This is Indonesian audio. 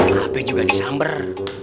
hape juga disamber